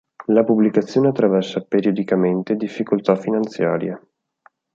La pubblicazione attraversa periodicamente difficoltà finanziarie.